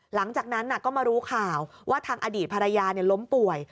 หลังจากนั้นก็มารู้ข่าวว่าทางอดีตภรรยาล้มป่วย